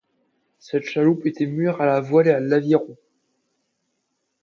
Cette chaloupe était mue à la voile et à l'aviron.